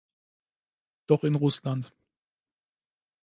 Doch in Russland.